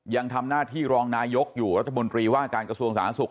ยังทำหน้าที่รองนายกอยู่รัฐมนตรีว่าการกระทรวงสาธารณสุข